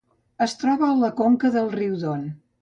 Es troba a la conca del riu Don.